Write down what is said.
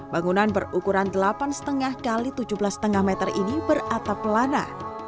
bangunan berukuran delapan lima x tujuh belas lima meter ini beratap pelana